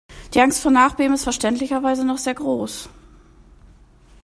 Die Angst vor Nachbeben ist verständlicherweise noch sehr groß.